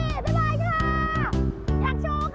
อยากโชว์ค่ะ